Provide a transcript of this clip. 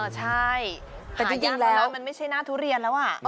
ใช่หายานร้านมันไม่ใช่หน้าทุเรียนแล้วอ่ะ